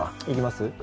行きます？